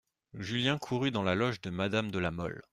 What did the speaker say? Julien courut dans la loge de Madame de La Mole.